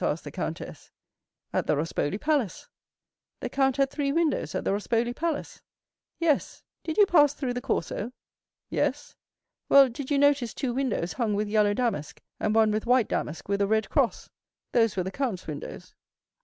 asked the countess. "At the Rospoli Palace." "The count had three windows at the Rospoli Palace?" "Yes. Did you pass through the Corso?" "Yes." "Well, did you notice two windows hung with yellow damask, and one with white damask with a red cross? Those were the count's windows."